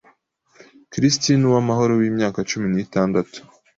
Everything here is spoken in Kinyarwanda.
Christine Uwamahoro w’imyaka cumi nitandatu